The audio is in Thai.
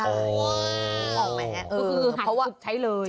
ก็คือหัดกุบใช้เลย